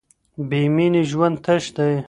بې مینې ژوند تش دی.